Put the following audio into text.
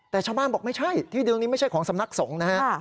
แต่ชาวบ้านบอกไม่ใช่ที่เดิมนี้ไม่ใช่ของสำนักสงฆ์นะฮะ